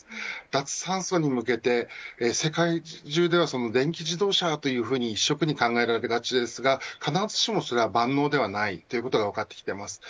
脱炭素に向けて、世界中では電気自動車だと一色に考えられがちですが必ずしもそれは万能ではないことが分かっています。